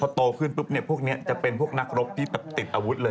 โตขึ้นปุ๊บเนี่ยพวกนี้จะเป็นพวกนักรบที่แบบติดอาวุธเลย